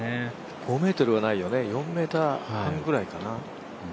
５ｍはないよね、４ｍ半くらいかな。